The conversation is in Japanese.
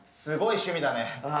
すごい趣味だね。